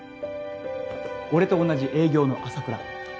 俺と同じ営業の麻倉。